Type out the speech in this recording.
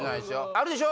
あるでしょ？